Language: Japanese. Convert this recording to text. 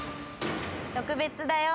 特別だよ。